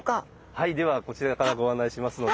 はいではこちらからご案内しますので。